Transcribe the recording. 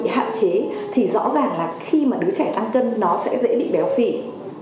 tạm chế thì rõ ràng là khi mà đứa trẻ tăng cân nó sẽ dễ bị béo phỉ